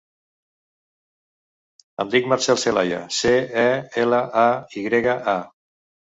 Em dic Marcèl Celaya: ce, e, ela, a, i grega, a.